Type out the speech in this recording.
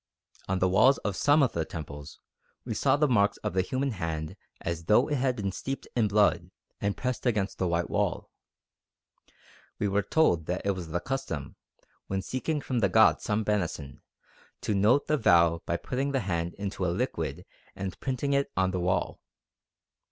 On the walls of some of the temples we saw the marks of the human hand as though it had been steeped in blood and pressed against the white wall. We were told that it was the custom, when seeking from the gods some benison, to note the vow by putting the hand into a liquid and printing it on the wall.